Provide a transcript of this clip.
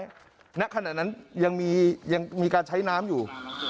ณขณะนั้นยังมีการใช้น้ำอยู่